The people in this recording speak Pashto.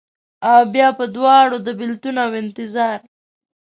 اوبیا په دواړو، د بیلتون اوانتظار